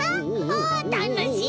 あたのしい！